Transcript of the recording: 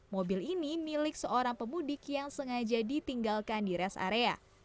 mobil ini milik seorang pemudik yang sengaja ditinggalkan di rest area